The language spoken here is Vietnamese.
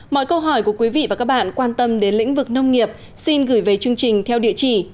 mọi câu hỏi của quý vị và các bạn quan tâm đến lĩnh vực nông nghiệp xin gửi về chương trình theo địa chỉ